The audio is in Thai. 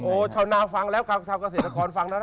โอ้ชาวนาฟังแล้วชาวกเศรษฐกรฟังแล้ว